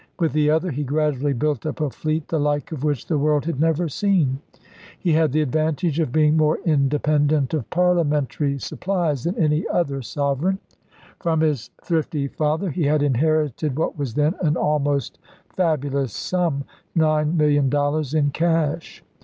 With the other he gradually built up a fleet the like of which the world had never seen. He had the advantage of being more independent of parlia mentary supplies than any other sovereign. From his thrifty father he had inherited what was then an almost fabulous sum — nine million dollars in cash.